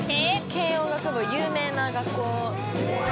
軽音楽部有名な学校。